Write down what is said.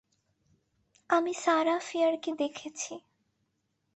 আমি সারাহ ফিয়ারকে দেখেছি।